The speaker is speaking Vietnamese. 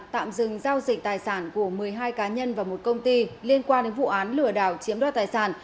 tạm dừng giao dịch tài sản của một mươi hai cá nhân và một công ty liên quan đến vụ án lừa đảo chiếm đoạt tài sản